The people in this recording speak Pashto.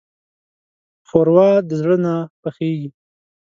ښوروا د زړه نه پخېږي.